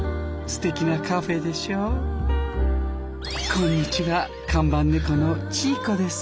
こんにちは看板猫のチー子です。